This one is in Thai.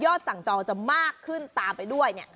ยอดสั่งจอจะมากขึ้นตามไปด้วย